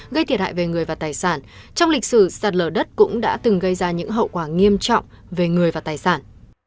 gây thiệt hại về người và tài sản trong lịch sử sạt lở đất cũng đã từng gây ra những hậu quả nghiêm trọng về người và tài sản